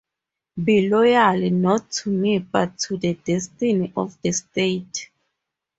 'Be loyal not to me but to the destiny of the State'.